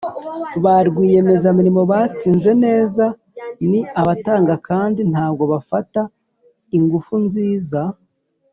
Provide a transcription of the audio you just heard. "ba rwiyemezamirimo batsinze neza ni abatanga kandi ntabwo bafata ingufu nziza."